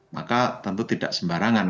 maka tentu tidak sembarangan